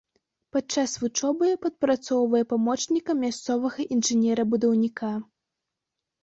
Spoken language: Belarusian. Падчас вучобы падпрацоўвае памочнікам мясцовага інжынера-будаўніка.